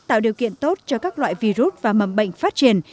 tạo điều kiện tốt cho các loại virus và mầm bệnh phát triển